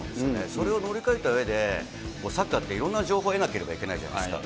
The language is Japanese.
それを乗り越えたうえで、サッカーっていろんな情報を得なければならないじゃないですか。